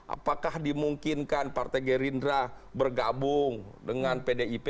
apakah dimungkinkan partai gerindra bergabung dengan pdip